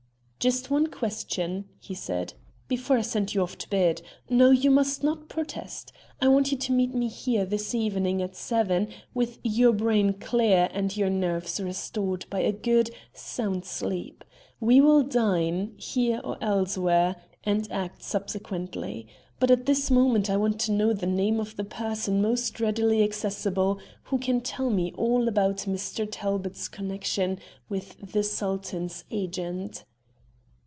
"Just one question," he said, "before I send you off to bed. No, you must not protest. I want you to meet me here this evening at seven, with your brain clear and your nerves restored by a good, sound sleep. We will dine, here or elsewhere, and act subsequently. But at this moment I want to know the name of the person most readily accessible who can tell me all about Mr. Talbot's connection with the Sultan's agent."